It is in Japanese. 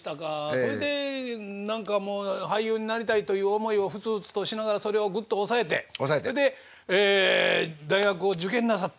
ほいで何か俳優になりたいという思いをふつふつとしながらそれをグッと抑えてそれで大学を受験なさった？